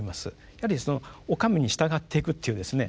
やはりお上に従っていくっていうですね